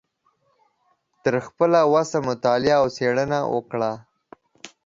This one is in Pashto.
تر خپله وسه مطالعه او څیړنه وکړه